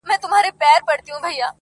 مُلا او ډاکټر دواړو دي دامونه ورته ایښي-